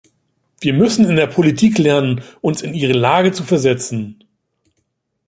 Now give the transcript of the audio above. Wir müssen in der Politik lernen, uns in ihre Lage zu versetzen.